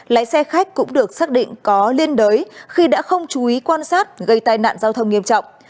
lái xe khách cũng được xác định có liên đới khi đã không chú ý quan sát gây tai nạn giao thông nghiêm trọng